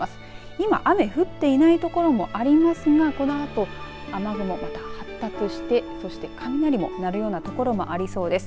今、雨降っていない所もありますがこのあと雨雲また発達してそして雷も鳴るような所がありそうです。